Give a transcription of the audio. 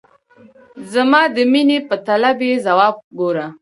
زما د میني په طلب یې ځواب ګوره !